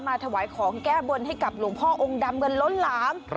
ถวายของแก้บนให้กับหลวงพ่อองค์ดำเงินล้นหลาม